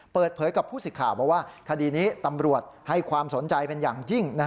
เปิดเผยกับผู้สิทธิ์ข่าวบอกว่าคดีนี้ตำรวจให้ความสนใจเป็นอย่างยิ่ง